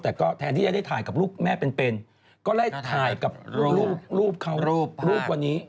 แต่ก็แทนที่จะได้ถ่ายกับรูปแม่เป็นก็ไล่ถ่ายกับรูปเขารูปวันนี้